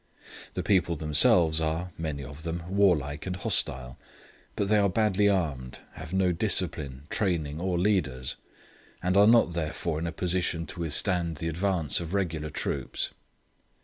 The people themselves are, many of them, warlike and hostile; but they are badly armed, have no discipline, training, or leaders, and are not therefore in a position to withstand the advance of regular troops.